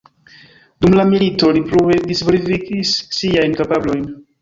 Dum la milito li plue disvolvigis siajn kapablojn.